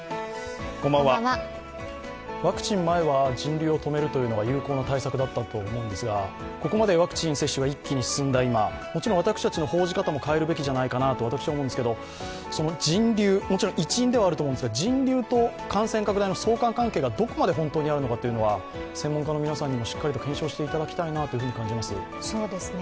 ワクチン前は人流を止めるというのが有効な対策だったと思うんですが、ここまでワクチン接種が一気に進んだ今もちろん私たちの報じ方も変えるべきじゃないかなと私は思うんですけど、人流、もちろん一因ではあると思うんですが、人流と感染拡大の相関関係がどこまで本当にあるのかっていうのは専門家の皆さんにもしっかりと検証していただきたいと感じます。